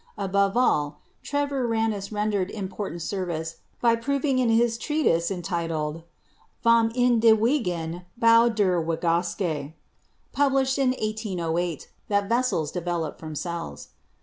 Above all, Treviranus rendered important service by proving in his treatise, entitled 'Vom inwendigen Bau der Gewachse/ published in 1808, that vessels develop from cells.